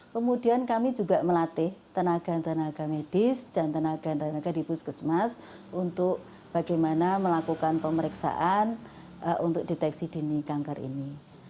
kemudian kami juga melatih tenaga tenaga medis dan tenaga tenaga di puskesmas untuk bagaimana melakukan pemeriksaan untuk deteksi dini kanker ini